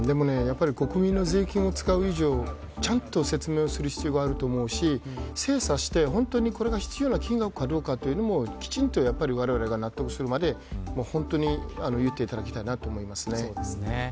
国民の税金を使う以上ちゃんと説明する必要があると思うし精査して、これが必要な金額かどうかというのもわれわれが納得するまで、本当にいっていただきたいなと思いますね。